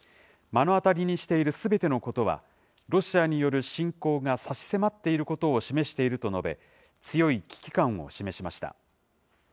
目の当たりにしているすべてのことは、ロシアによる侵攻が差し迫っていることを示していると述べ、強い危機感を示しました。